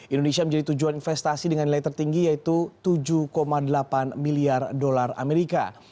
indonesia menjadi tujuan investasi dengan nilai tertinggi yaitu tujuh delapan miliar dolar amerika